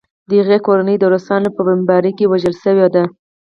د هغې کورنۍ د روسانو په بمبارۍ کې وژل شوې وه